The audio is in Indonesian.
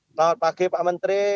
selamat pagi pak menteri